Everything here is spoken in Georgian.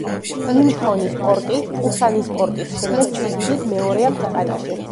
ინჩხონის პორტი პუსანის პორტის შემდეგ, სიდიდით მეორეა ქვეყანაში.